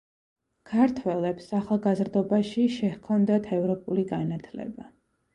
ქართველებს ახალგაზრდობაში შეჰქონდათ ევროპული განათლება.